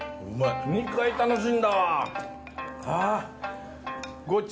２回楽しんだわ。